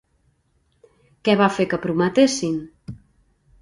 Què va fer que prometessin?